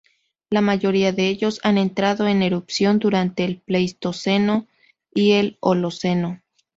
La mayoría de ellos han entrado en erupción durante el Pleistoceno y el Holoceno.